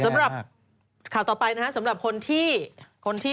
สำหรับข่าวต่อไปนะสำหรับคนที่